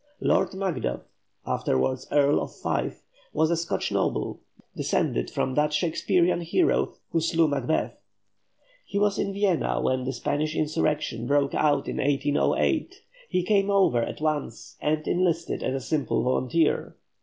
Lord Macduff, afterwards Earl of Fife, was a Scotch noble descended from that Shakespearean hero who slew Macbeth. He was in Vienna when the Spanish insurrection broke out in 1808, he came over at once and enlisted as a simple volunteer.